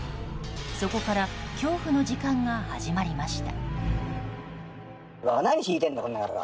そこから恐怖の時間が始まりました。